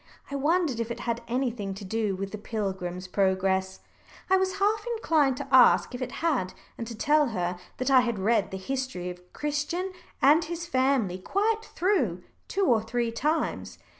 I wondered if it had anything to do with the pilgrim's progress, and I was half inclined to ask if it had, and to tell her that I had read the history of Christian and his family quite through, two or three times.